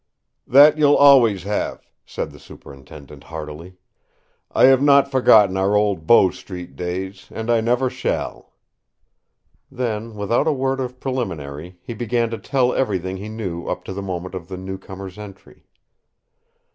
"That you'll always have," said the Superintendent heartily. "I have not forgotten our old Bow Street days, and I never shall!" Then, without a word of preliminary, he began to tell everything he knew up to the moment of the newcomer's entry.